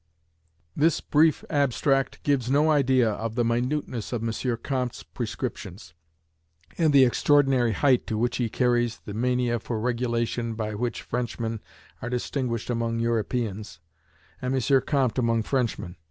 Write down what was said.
This brief abstract gives no idea of the minuteness of M. Comte's prescriptions, and the extraordinary height to which he carries the mania for regulation by which Frenchmen are distinguished among Europeans, and M. Comte among Frenchmen.